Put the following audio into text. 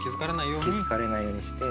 気付かれないようにして。